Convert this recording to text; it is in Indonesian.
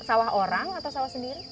sawah orang atau sawah sendiri